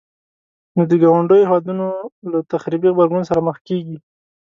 نو د ګاونډيو هيوادونو له تخريبي غبرګون سره مخ کيږي.